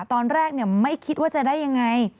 ตอนแรกไม่คิดว่าจะได้ยังไง